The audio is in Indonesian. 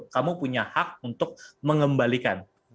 kamu punya hak untuk mengembalikan